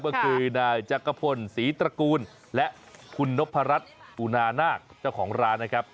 ก็คือนายจักรพลศรีตระกูลและคุณนพรัชปุนานาคเจ้าของร้านนะครับ